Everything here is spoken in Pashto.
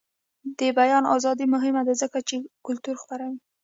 د بیان ازادي مهمه ده ځکه چې کلتور خپروي.